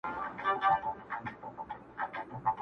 څه ته مي زړه نه غواړي_